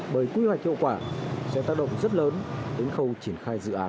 bởi quy hoạch hiệu quả sẽ tác động rất lớn đến khâu triển khai dự án